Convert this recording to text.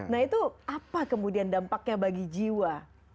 nah itu apa kemudian dampaknya bagi jiwa